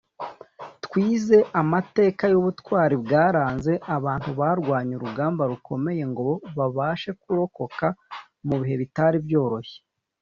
Twize amateka y’ubutwari bwaranze abantu barwanye urugamba rukomeye ngo babashe kurokoka mu bihe bitari byoroshye